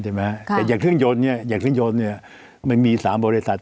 แต่อย่างถึงยนต์เนี่ยมันมี๓บริษัท